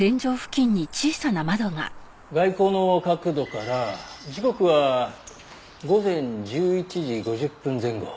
外光の角度から時刻は午前１１時５０分前後。